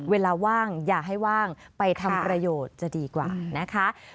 เวลาว่างอย่าให้ว่างไปทำประโยชน์จะดีกว่านะคะ